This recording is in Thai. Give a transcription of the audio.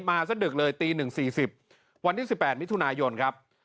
มาซะดึกเลยตีหนึ่งสี่สิบวันที่สิบแปดมิถุนายนครับ